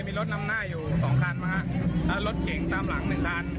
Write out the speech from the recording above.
มีรถนำหน้าอยู่สองคันนะฮะแล้วรถเก๋งตามหลังหนึ่งคัน